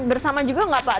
bersama juga tidak pak